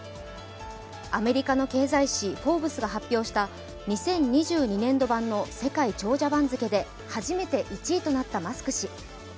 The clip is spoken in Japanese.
アメリカの経済誌「フォーブス」が発表した２０２２年度版の世界長者番付で初めて１位となったマスク氏。